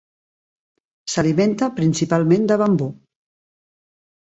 S'alimenta principalment de bambú.